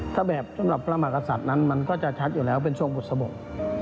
ถ้าแบบสำหรับพระมากษัตริย์นั้นมันก็จะชัดอยู่แล้วเป็นช่วงบุษบก